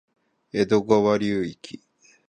江戸川流域